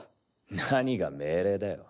何が命令だよ